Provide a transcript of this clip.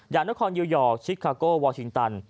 อย่างนครยูยอร์กชิคกาโกวอร์ชิงตัน